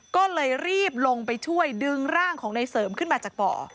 ก็เลยรีบลงไปช่วยดึงร่างของในเสริมขึ้นมาจากบ่อ